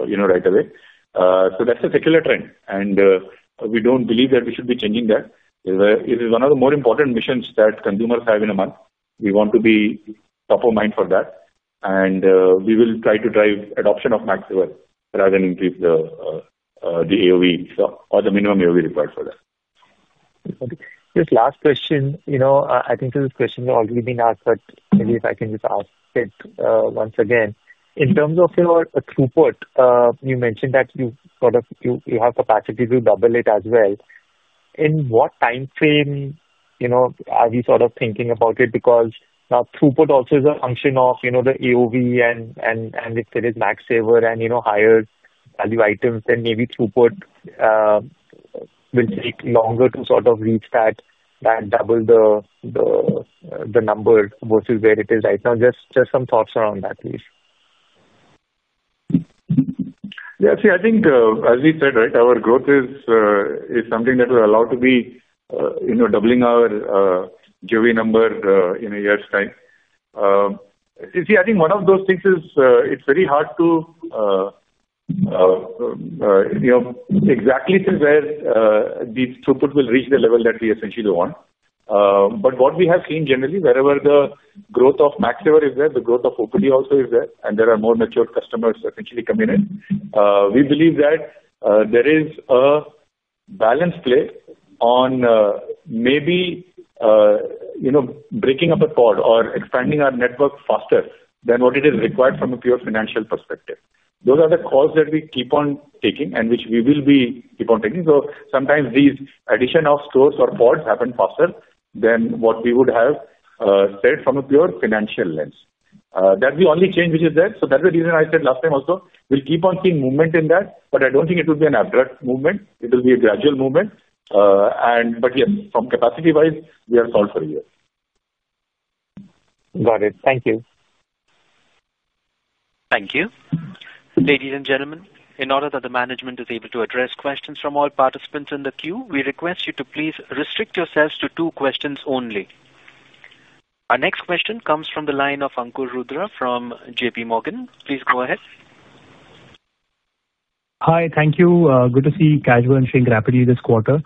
you know, right away. That's a secular trend and we don't believe that we should be changing that. It is one of the more important missions that consumers have in a month. We want to be top of mind for that and we will try to drive adoption of Maxwell rather than increase the AOV or the minimum AOV required for that. This last question, you know, I think this question has already been asked, but maybe if I can just ask it once again. In terms of your throughput, you mentioned that you sort of, you have capacity to double it as well. In what time frame, you know, are we sort of thinking about it? Because now throughput also is a function of, you know, the AOV and if there is max saver and, you know, higher value items, then maybe throughput will take longer to sort of reach that. Double the number versus where it is right now. Just some thoughts around that, please. Yeah, see I think as we said, right, our growth is something that we're allowed to be doubling our GOV number in a year's time. You see, I think one of those things is it's very hard to exactly where the throughput will reach the level that we essentially want. What we have seen generally wherever the growth of max saver is there, the growth of open also is there and there are more mature customers essentially coming in. We believe that there is a balance play on maybe breaking up a cord or expanding our network faster than what is required from a pure financial perspective. Those are the calls that we keep on taking and which we will be keep on taking. Sometimes these addition of stores or pods happen faster than what we would have said from a pure financial lens, that's the only change which is there. That's the reason I said last time also we'll keep on seeing movement in that, but I don't think it will be an abrupt movement. It will be a gradual movement. From capacity wise we are solved for a year. Got it. Thank you. Thank you. Ladies and gentlemen, in order that the management is able to address questions from all participants in the queue, we request you to please restrict yourselves to two questions only. Our next question comes from the line of Ankur Rudra from J.P. Morgan. Please go ahead. Hi. Thank you. Good to see casual and shrink rapidly this quarter.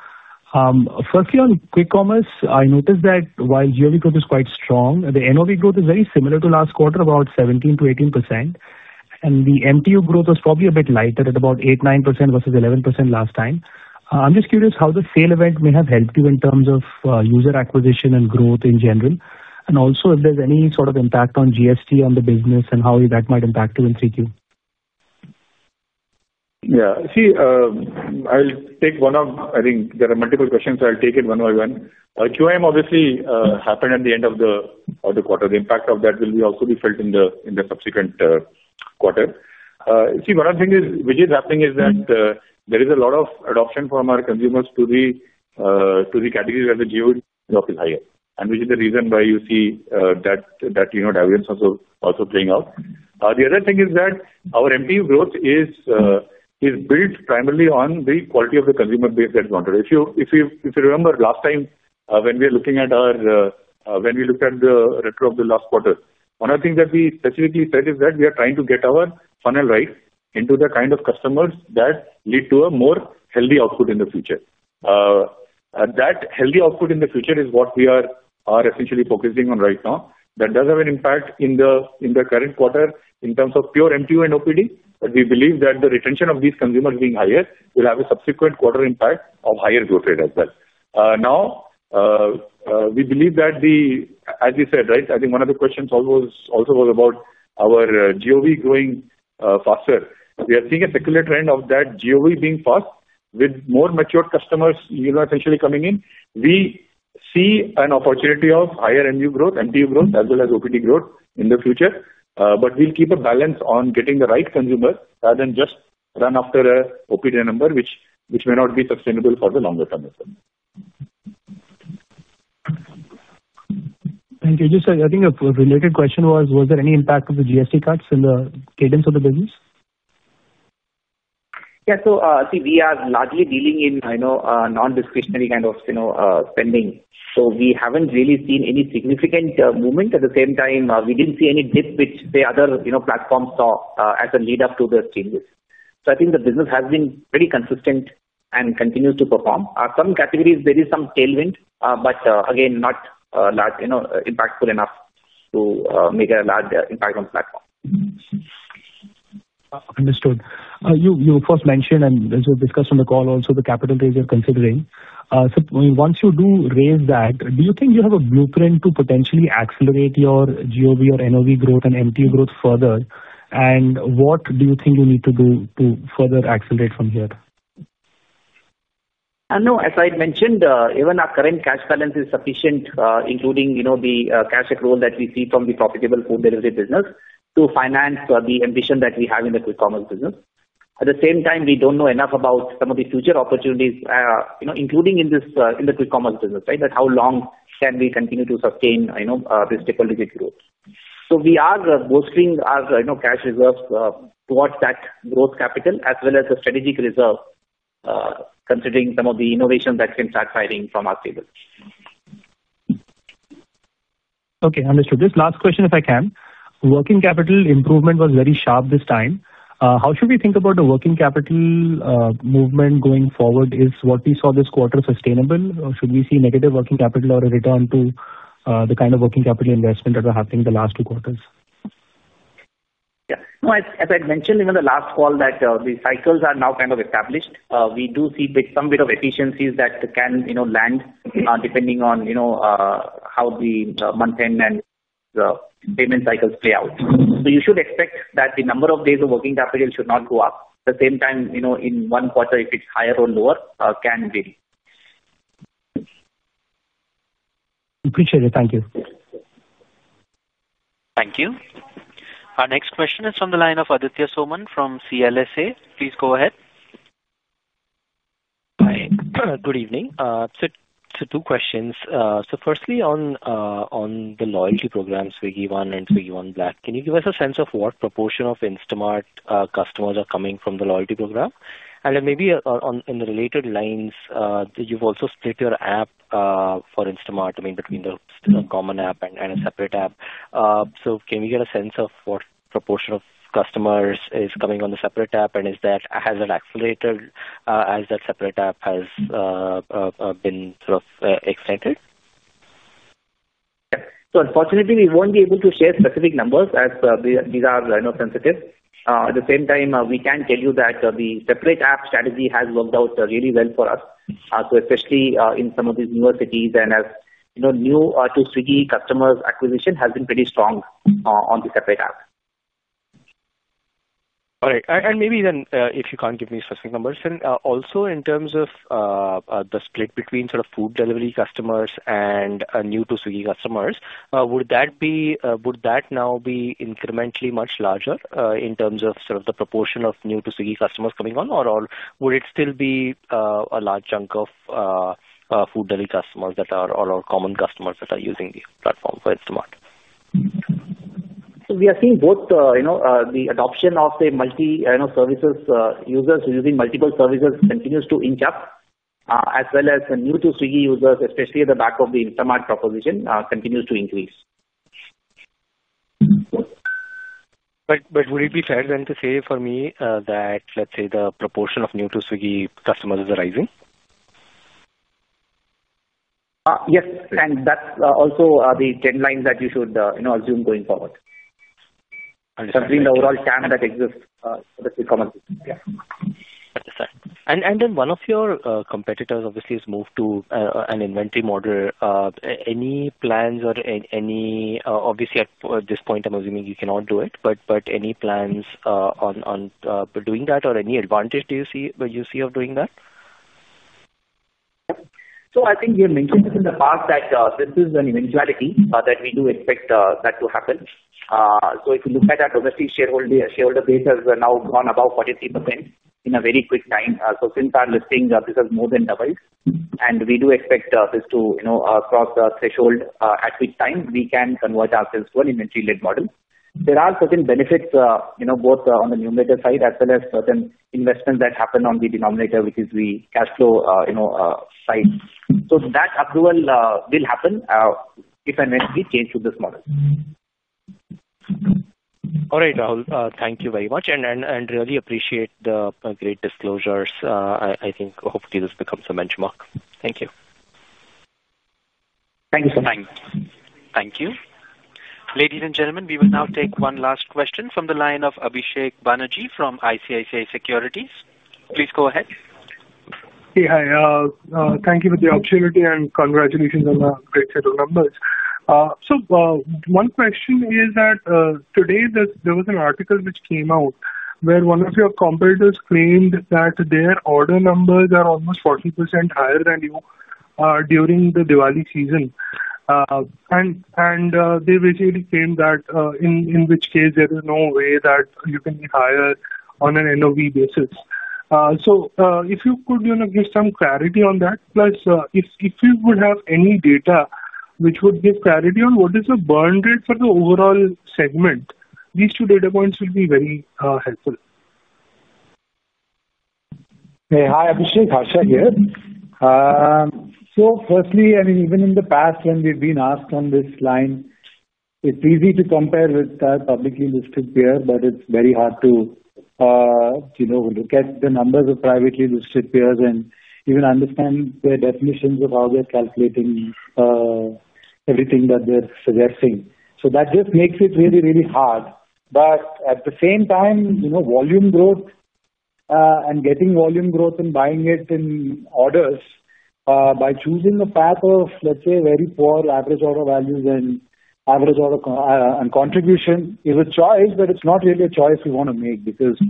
Firstly, on quick commerce, I noticed that while GOV growth is quite strong, the November growth is very similar to last quarter, about 17%-18%, and the MTU growth was probably a bit lighter at about 8.9% versus 11% last time. I'm just curious how the sale event may have helped you in terms of user acquisition and growth in general, and also if there's any sort of impact on GST on the business and how that might impact Q3. Yeah, see, I'll take one of, I think there are multiple questions, so I'll take it one by one. QIM obviously happened at the end, the impact of that will also be felt in the subsequent quarter. One of the things which is happening is that there is a lot of adoption from our consumers to the category where the GEO growth is higher, and which is the reason why you see that also playing out. The other thing is that our MTU growth is built primarily on the quality of the consumer base, that wanted ratio. If you remember last time when we were looking at our, when we looked at the retro of the last quarter, one of the things that we specifically said is that we are trying to get our funnel right into the kind of customers that lead to a more healthy output in the future. That healthy output in the future is what we are essentially focusing on right now. That does have an impact in the current quarter in terms of pure MTU and OPD. We believe that the retention of these consumers being higher will have a subsequent quarter impact of higher growth rate as well. We believe that, as you said, right, I think one of the questions also was about our GOV growing faster. We are seeing a particular trend of that GOV being fast with more mature customers essentially coming in. We see an opportunity of higher end of growth, MTU growth as well as OPD growth in the future. We'll keep a balance on getting the right consumers rather than just run after an OPD number which may not be sustainable for the longer term. Thank you. I think a related question was, was there any impact of the GST cuts in the cadence of the business? Yeah, we are largely dealing in non-discretionary kind of spending, so we haven't really seen any significant movement. At the same time, we didn't see any dip which the other platforms saw as a lead up to the changes. I think the business has been pretty consistent and continues to perform. Some categories, there is some tailwind, but again, not impactful enough to make a large impact on the platform. Understood. You first mentioned and as you discussed on the call, also the capital raiser considering once you do, do you think you have a blueprint to potentially accelerate your GOV or MTU growth further. What do you think you need to do to further accelerate from here? No, as I mentioned, even our current cash balance is sufficient, including the cash accrual that we see from the profitable food delivery business to finance the ambition that we have in the quick commerce business. At the same time, we don't know enough about some of the future opportunities, including in this, in the quick commerce business, that how long can we continue to sustain this triple digit growth. We are bolstering our cash reserves towards that gross capital as well as the strategic reserve, considering some of the innovations that can start firing from our table. Okay, understood. This last question if I can. Working capital improvement was very sharp this time. How should we think about the working capital movement going forward? Is what we saw this quarter sustainable or should we see negative working capital or a return to the kind of working capital investment that are happening the last two quarters? As I mentioned in the last call, the cycles are now kind of established. We do see some bit of efficiencies that can land depending on how the month end and the payment cycles play out. You should expect that the number of days of working capital should not go up. At the same time, in one quarter, if it's higher or lower, it can vary. Appreciate it. Thank you. Thank you. Our next question is from the line of Aditya Soman from CLSA. Please go ahead. Hi, good evening. Two questions. Firstly, on the loyalty programs Swiggy One and Swiggy One Black, can you give us a sense of what proportion of Instamart customers are coming from the loyalty program? In the related lines, you've also split your app for Instamart, I mean between the common app and a separate app. Can we get a sense of what proportion of customers is coming on the separate app? Has that accelerated as that separate app has been extended? Unfortunately, we won't be able to share specific numbers as these are sensitive. At the same time, we can tell you that the separate app strategy has worked out really well for us, especially in some of these newer cities. As new to Swiggy customers, acquisition has been pretty strong on the separate app. All right, and maybe then if you can't give me specific numbers and also in terms of the split between sort of food delivery customers and new to Swiggy customers, would that now be incrementally much larger in terms of the proportion of new to Swiggy customers coming on or would it still be a large chunk of food delivery customers that are all our common customers that are using the platform for Instamart? We are seeing both the adoption of the multi-services users using multiple services continues to inch up as well as new to Swiggy users, especially at the back of the Instamart proposition continues to increase. Would it be fair then to say for me that let's say the proportion of new to Swiggy customers is rising? Yes. That's also the trend line that you should assume going forward considering the overall channel that exists. One of your competitors obviously has moved to an inventory model. Any plans or any, obviously at this point I'm assuming you cannot do it. Any plans on doing that or any advantage? Do you see of doing that? I think we have mentioned in the past that this is an eventuality that we do expect that to happen. If you look at our domestic shareholder base, it has now gone above 43% in a very quick time. Since our listing this has more than doubled and we do expect this to cross the threshold at which time we can convert ourselves to an inventory-led model. There are certain benefits both on the numerator side as well as certain investments that happen on the denominator, which is the cash flow side. That approval will happen if and when we change to this model. All right, Rahul, thank you very much and really appreciate the great disclosures. I think hopefully this becomes a benchmark. Thank you. Thank you. Thank you. Ladies and gentlemen, we will now take one last question from the line of Abhishek Banerjee from ICICI Securities. Please go ahead. Thank you for the opportunity and congratulations on the great set of numbers. One question is that today there was an article which came out where one of your competitors claimed that their order numbers are almost 40% higher than you during the Diwali season. They basically claim that in which case there is no way that you can be higher on an NOV basis. If you could give some clarity on that, plus if you would have any data which would give parity on what is the bond rate for the overall segment, these two data points will be very helpful. Firstly, even in the past when we've been asked on this line, it's easy to compare with publicly listed peer but it's very hard to get the numbers of privately listed peers and even understand their definitions of how they're calculating everything that they're suggesting. That just makes it really, really hard. At the same time, volume growth and getting volume growth and buying it in orders by choosing a path of, let's say, very poor average order values and average order and contribution is a choice, but it's not really a choice we want to make because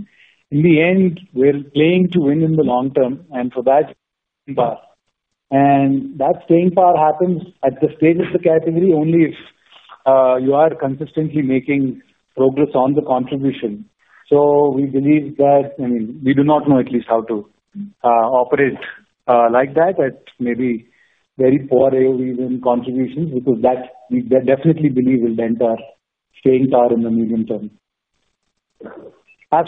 in the end we're playing to win in the long term and for that, staying power happens at the stage of the category only if you are consistently making progress on the contribution. We believe that we do not know at least how to operate like that at maybe very poor AOV contributions because we definitely believe that will staying tied in the medium term. As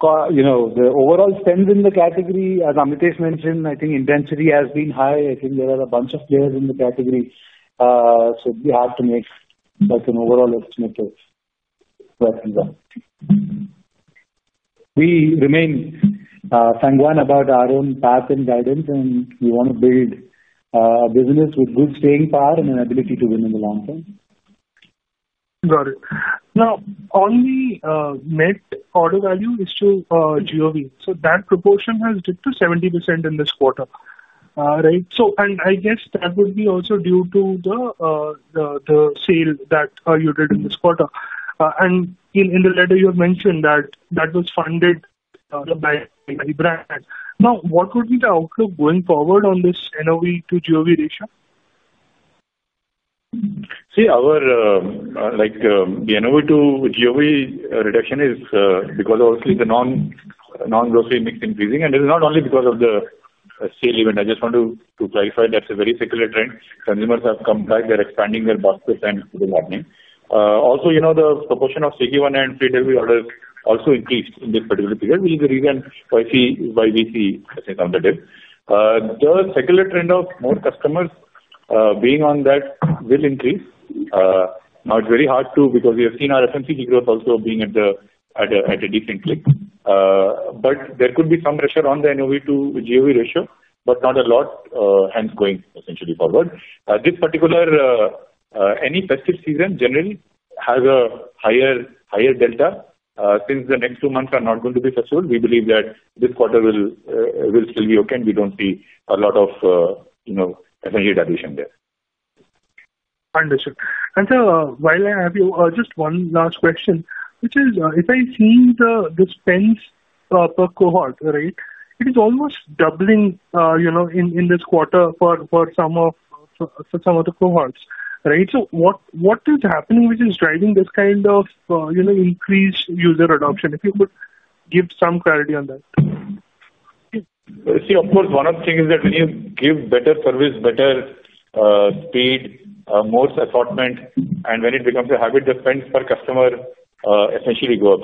for the overall spend in the category, as Amitesh Jha mentioned, intensity has been high. There are a bunch of players in the category so it would be hard to make such an overall estimate. We remain sanguine about our own path and guidance and we want to build a business with good staying power and an ability to win in the long term. Got it. Now on the net order value is to GOV. That proportion has dripped to 70% in this quarter. Right. I guess that would be also due to the sale that you did in this quarter and in the letter you have mentioned that was funded by the brand. What would be the outlook going forward on this NOV to GOV ratio? The NOV to GOV reduction is because obviously the non-grocery mix increasing and it is not only because of the sale event. I just want to clarify that's a very secular trend. Consumers have come back, they're expanding their bus this and also the proportion of CG1 and 3 delivery orders also increased in this particular period, which is the reason why we on the dip the secular trend of more customers being on that will increase. It's very hard to because we have seen our FMCG growth also being at a decent click. There could be some pressure on the NOV to GOV ratio but not a lot. Hence, going essentially forward, this particular any festive season generally has a higher delta. Since the next two months are not going to be successful, we believe that this quarter will still be okay, and we don't see a lot of addition there. Understood. While I have you, just one last question, which is if I see this spend per proper cohort, right, it is almost doubling, you know, in this quarter for some of the cohorts, right. What is happening which is driving this kind of increased user adoption? If you could give some clarity on that. See, of course, one of the things is that when you give better service, better speed, more assortment, and when it becomes a habit, the spend per customer essentially goes,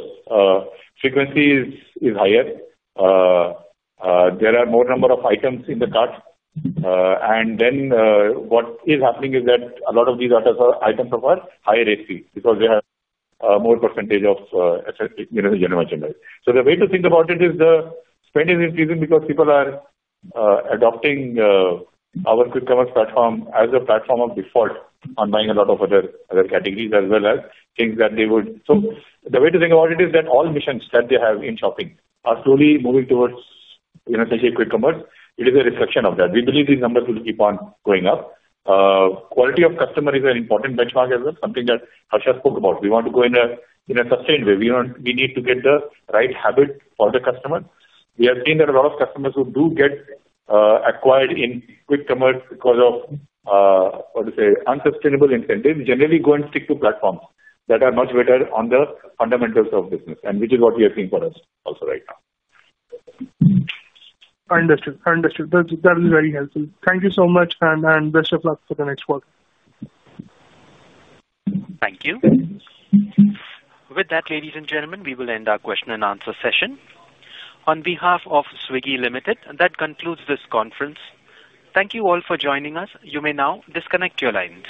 frequency is higher, there are more number of items in the cart. What is happening is that a lot of these items are of higher AOV because they have more percentage of asset. The way to think about it is the spend is increasing because people are adopting our quick commerce platform as a platform of default on buying a lot of other categories as well as things that they would. The way to think about it is that all missions that they have in shopping are slowly moving towards essentially quick commerce. It is a reflection of that. We believe these numbers will keep on going up. Quality of customer is an important benchmark as well, something that Harsha spoke about. We want to go in a sustained way. We need to get the right habit for the customer. We have seen that a lot of customers who do get acquired in quick commerce because of unsustainable incentives generally go and stick to platforms that are much better on the fundamentals of business, and which is what we are seeing for us also right now. Understood, understood. That is very helpful. Thank you so much and best of luck for the next quarter. Thank you. With that, ladies and gentlemen, we will end our question-and-answer session on behalf of Swiggy Limited. That concludes this conference. Thank you all for joining us. You may now disconnect your lines.